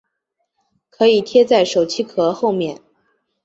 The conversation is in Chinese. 可以贴在手机壳后面